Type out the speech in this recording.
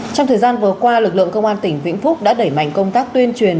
trong thời gian vừa qua lực lượng công an tỉnh vĩnh phúc đã đẩy mạnh công tác tuyên truyền